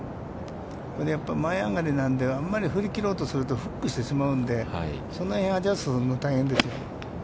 やっぱり前上がりなので、あんまり振り切ろうとするとフックしてしまうので、その辺、アジャストするのが大変ですよ。